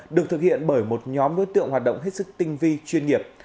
được thực hiện bởi một nhóm đối tượng hoạt động hết sức tinh vi chuyên nghiệp